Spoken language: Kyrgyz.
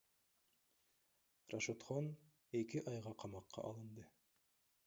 Рашодхон эки айга камакка алынды.